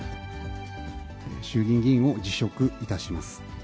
衆議院議員を辞職いたします。